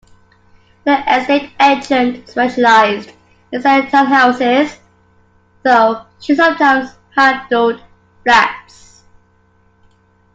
The estate agent specialised in selling townhouses, though she sometimes handled flats